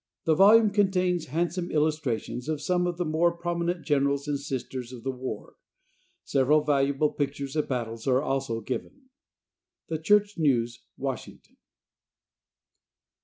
The volume contains handsome illustrations of some of the more prominent generals and Sisters of the war. Several valuable pictures of battles are also given. The Church News, Washington.